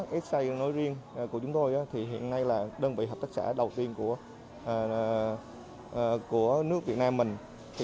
sài gòn co op nói riêng của chúng tôi hiện nay là đơn vị hợp tác xã đầu tiên của nước việt nam mình